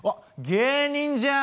芸人じゃん！